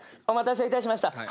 お待たせいたしました。